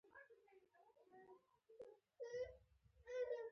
ولو چې ټوکې یې د طبیعت برخه وې قاتل ملا ته وویل.